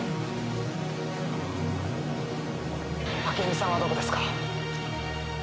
朱美さんはどこですか？